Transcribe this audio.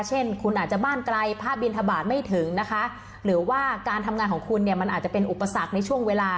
เช่นคุณอาจจะบ้านไกลพระบินทบาทไม่ถึงนะคะหรือว่าการทำงานของคุณเนี่ยมันอาจจะเป็นอุปสรรคในช่วงเวลา